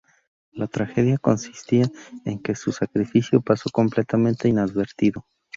La tragedia consistía en que su sacrificio pasó completamente inadvertido".